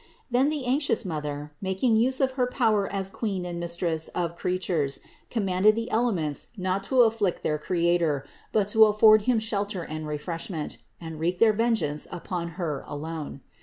Then the anxious Mother, making use of her power as Queen and Mistress of crea tures, commanded the elements not to afflict their Cre ator, but to afford Him shelter and refreshment, and wreak their vengeance upon Her alone.